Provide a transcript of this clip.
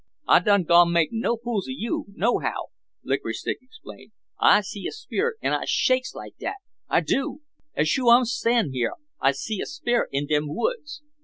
"I done gone make no fools ob you, nohow," Licorice Stick exclaimed. "I see a sperrit 'n I shakes like dat, I do. As shu I'm stan' here I see a sperrit in dem woods."